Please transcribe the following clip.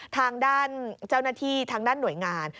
ทางด้านเจ้าหน้าที่ทางด้านหน่วยงาน